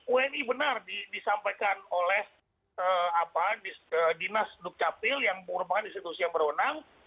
wni benar disampaikan oleh dinas dukcapil yang merupakan institusi yang berwenang